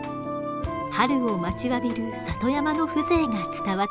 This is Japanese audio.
春を待ちわびる里山の風情が伝わってきます。